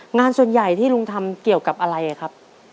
งานส่วนใหญ่ที่ลุงทำเกี่ยวกับอะไรครับ